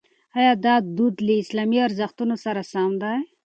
ایا دا دود له اسلامي ارزښتونو سره سم دی؟